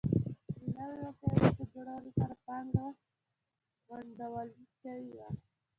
د نویو وسایلو په جوړولو سره پانګه غونډول شوې وه.